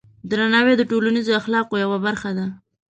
درناوی د ټولنیز اخلاقو یوه برخه ده.